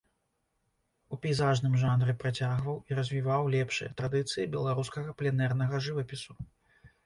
У пейзажным жанры працягваў і развіваў лепшыя традыцыі беларускага пленэрнага жывапісу.